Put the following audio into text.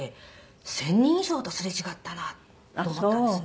１０００人以上とすれ違ったなと思ったんですね。